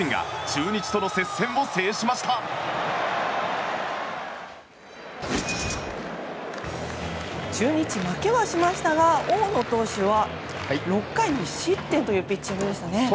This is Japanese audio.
中日、負けはしましたが大野投手は、６回２失点というピッチングでしたね。